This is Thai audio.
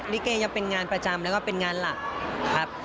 ลิเกยังเป็นงานประจำแล้วก็เป็นงานหลักครับ